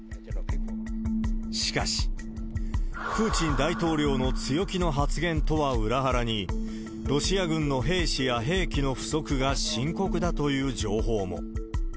しかし、プーチン大統領の強気の発言とは裏腹に、ロシア軍の兵士や兵器の不足が深刻だという情報も。